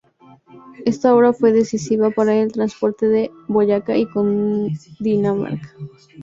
Esta obra fue decisiva para el transporte en Boyacá y Cundinamarca.